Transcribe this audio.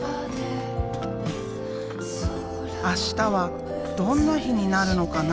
明日はどんな日になるのかな？